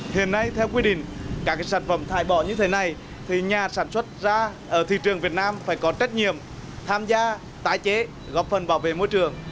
hiện nay theo quy định các sản phẩm thải bỏ như thế này thì nhà sản xuất ra ở thị trường việt nam phải có trách nhiệm tham gia tái chế góp phần bảo vệ môi trường